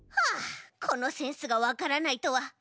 あこのセンスがわからないとは。